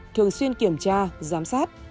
thường xuyên kiểm tra giám sát